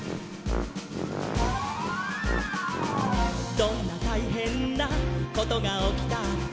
「どんなたいへんなことがおきたって」